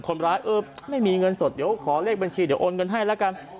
เออไม่มีเงินสดเดี๋ยวขอเลขบัญชีเดี๋ยวโอนเงินให้แล้วกัน